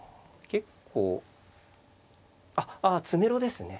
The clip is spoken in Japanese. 結構あっあ詰めろですね。